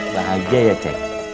bahagia ya ceng